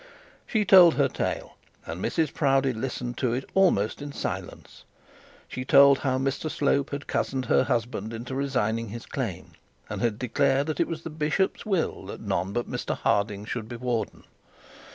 She told her tale, and Mrs Proudie listened to it almost in silence. She told how Mr Slope had cozened her husband into resigning his claim, and had declared that it was the bishop's will that none but Mr Harding should be warden.